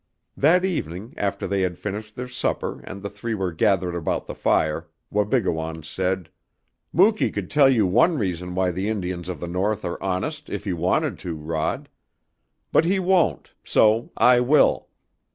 That evening, after they had finished their supper and the three were gathered about the fire, Wabigoon said: "Muky could tell you one reason why the Indians of the North are honest if he wanted to, Rod. But he won't, so I will.